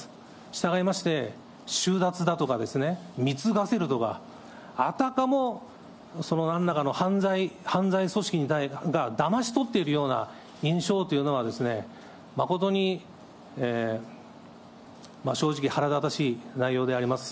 したがいまして、収奪だとか貢がせるとか、あたかもなんらかの犯罪組織がだまし取っているような印象というのは、誠に正直、腹立たしい内容であります。